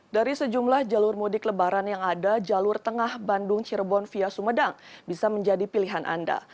dari sejumlah jalur mudik lebaran yang ada jalur tengah bandung cirebon via sumedang bisa menjadi pilihan anda